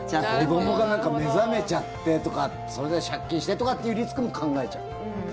子どもがなんか目覚めちゃってとかそれで借金してとかっていうリスクも考えちゃう。